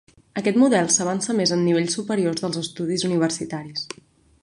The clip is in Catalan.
Aquest model s'avança més en nivells superiors dels estudis universitaris.